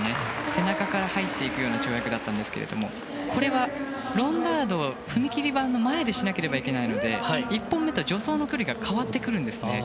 背中から入っていくような跳躍でしたがこれはロンダートを踏み切り板の前でしなければいけないので距離が変わってくるんですね。